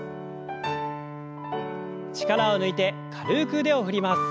力を抜いて軽く腕を振ります。